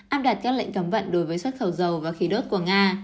áp đặt các lệnh cấm vận đối với xuất khẩu dầu và khí đốt của nga